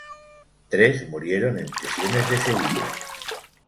Tres murieron en prisiones de Sevilla.